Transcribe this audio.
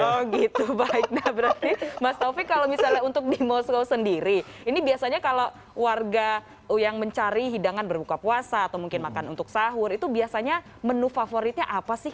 oh gitu baik nah berarti mas taufik kalau misalnya untuk di moskow sendiri ini biasanya kalau warga yang mencari hidangan berbuka puasa atau mungkin makan untuk sahur itu biasanya menu favoritnya apa sih